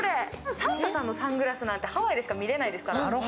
サンタさんのサングラスなんてハワイでしか見れないですから。